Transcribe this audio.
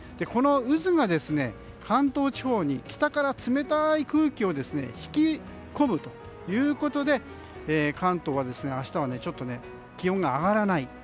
この渦が関東地方に北から冷たい空気を引き込むということで関東は明日は気温が上がらない。